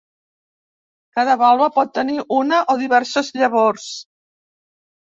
Cada valva pot tenir una o diverses llavors.